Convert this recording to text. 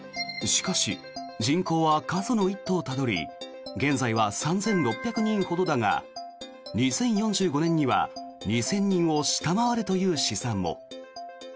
しかし人口は過疎の一途をたどり現在は３６００人ほどだが２０４５年には２０００人を下回るという試算も。